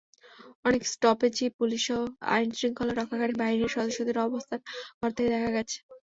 অনেক স্টপেজেই পুলিশসহ আইনশৃঙ্খলা রক্ষাকারী বাহিনীর সদস্যদের অবস্থান করতে দেখা গেছে।